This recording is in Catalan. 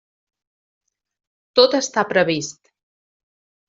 Tot està previst.